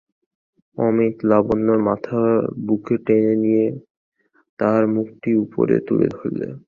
অমিত লাবণ্যর মাথা বুকে টেনে নিয়ে তার মুখটি উপরে তুলে ধরলে।